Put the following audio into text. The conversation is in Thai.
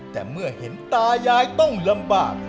แต่เมื่อเห็นตายายต้องลำบาก